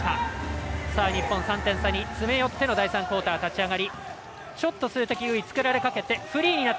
日本３点差に詰め寄っての第３クオーター、立ち上がり。